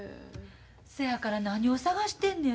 そやから何を捜してんねや？